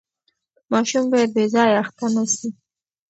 ماشوم باید بې ځایه اخته نه سي.